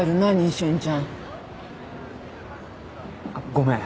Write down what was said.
ごめん。